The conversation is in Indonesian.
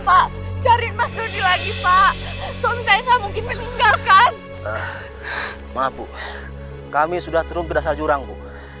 maaf bu kami sudah turun ke dasar jurang bu